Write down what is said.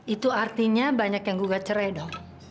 itu artinya banyak yang gugat cerai dong